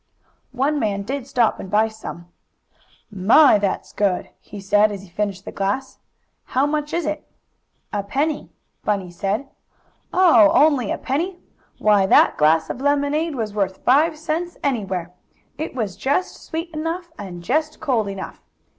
One man did stop and buy some. "My, that's good!" he said, as he finished the glass. "How much is it?" "A penny," Bunny said. "Oh, only a penny? Why, that glass of lemonade was worth five cents anywhere! It was just sweet enough, and just cold enough.